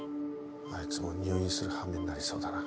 あいつも入院する羽目になりそうだな。